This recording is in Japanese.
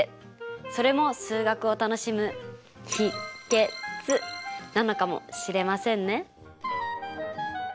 それも数学を楽しむなのかもしれませんね。